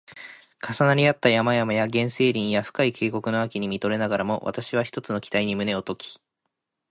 重なり合った山々や原生林や深い渓谷の秋に見とれながらも、わたしは一つの期待に胸をとき